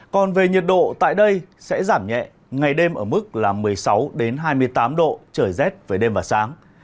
còn về nhiệt độ tại đây sẽ giảm nhẹ ngày đêm ở mức một mươi sáu hai mươi tám độ trời rét về đêm và sáng